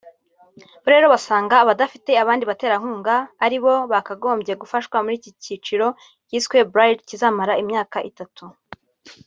Bo rero basanga abadafite abandi baterankunga ari bo bagombye gufashwa muri iki cyiciro cyiswe “Bridge” kizamara imyaka itatu